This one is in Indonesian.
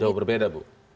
jauh berbeda bu